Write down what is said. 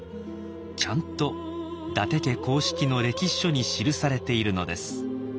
ちゃんと伊達家公式の歴史書に記されているのです。